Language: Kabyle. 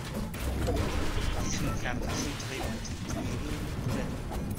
Deg temkerḍit taɣiwant n Tniri n Ukeffadu.